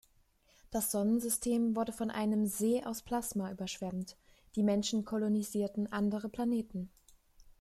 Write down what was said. Das Sonnensystem wurde von einem See aus Plasma überschwemmt, die Menschen kolonisierten andere Planeten.